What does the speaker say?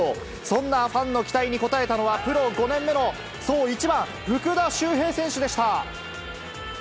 そんなファンの期待に応えたのは、プロ５年目の、そう、１番福田周平選手でした。